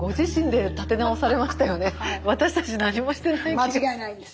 加えて間違いないです。